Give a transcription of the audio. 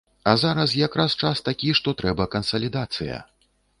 А зараз якраз час такі, што трэба кансалідацыя.